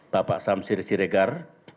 bapak samsiri siregar